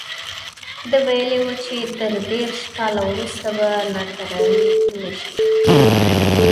ده ویلي وو چې تر دېرش کاله وروسته به ناکراري نه شي.